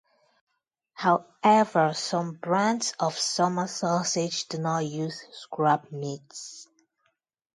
However some brands of summer sausage do not use scrap meats.